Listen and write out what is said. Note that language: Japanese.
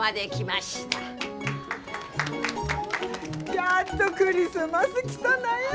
やっとクリスマス来たなや！